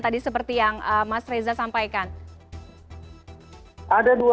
bahkan sampai dengan menyeret banyak sekali puluhan anggota kepolisian